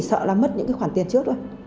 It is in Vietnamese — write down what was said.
chị sợ là mất những cái khoản tiền trước thôi